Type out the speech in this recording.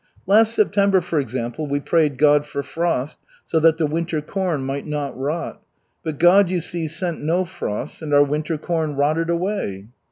Last September, for example, we prayed God for frost, so that the winter corn might not rot, but God, you see, sent no frosts, and our winter corn rotted away."